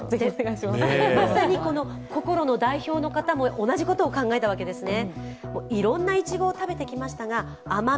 まさにココロの代表の方も同じことを考えたわけですね。